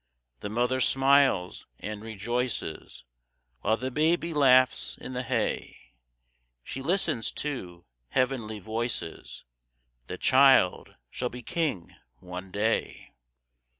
The mother smiles and rejoices While the baby laughs in the hay; She listens to heavenly voices: "The child shall be king, one day."